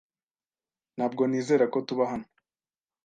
Ntabwo nizera ko tuba hano.